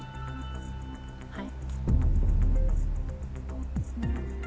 はい。